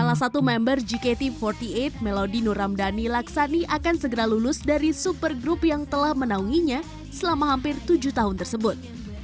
salah satu member gkt empat puluh delapan melodi nuramdani laksani akan segera lulus dari super group yang telah menaunginya selama hampir tujuh tahun tersebut